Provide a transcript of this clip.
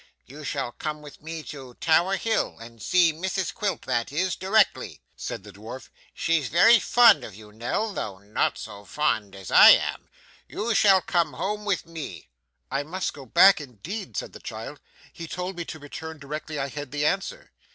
'You shall come with me to Tower Hill and see Mrs Quilp that is, directly,' said the dwarf. 'She's very fond of you, Nell, though not so fond as I am. You shall come home with me.' 'I must go back indeed,' said the child. 'He told me to return directly I had the answer.